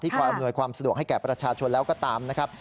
คอยอำนวยความสะดวกให้แก่ประชาชนแล้วก็ตามนะครับ